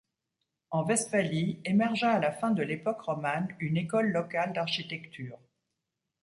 En Westphalie émergea à la fin de l’époque romane une école locale d’architecture.